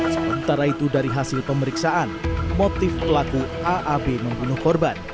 sementara itu dari hasil pemeriksaan motif pelaku aab membunuh korban